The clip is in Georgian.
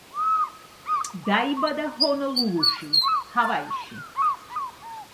დაიბადა ჰონოლულუში, ჰავაიში.